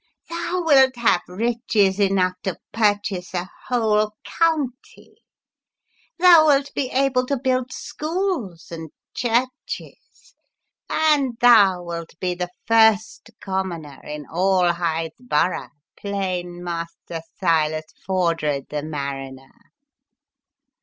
" Thou wilt have riches enough to purchase a whole county ; thou wilt be able to build schools and churches, and thou wilt be the first commoner in all Hythe Borough, plain Master Silas Fordred the mariner."